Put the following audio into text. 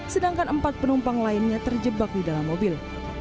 sedangkan empat penumpang lainnya terjebak di dalam mobil